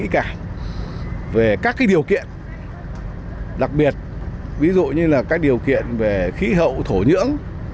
các điều kiện đặc biệt ví dụ như là các điều kiện về khí hậu thổ nhưỡng